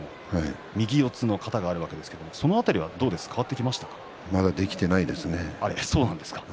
右四つの型があるわけですけれども、そのあとはまだできていないですね。